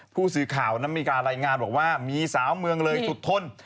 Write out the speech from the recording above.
ผู้สื่อข่าวนั้นมีการรายงานบอกว่ามีสาวเมืองเลยสุดทน